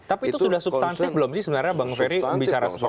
tapi itu sudah substansif belum sih sebenarnya bang ferry bicara soal itu